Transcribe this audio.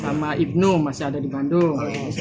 sama ibnu masih ada di bandung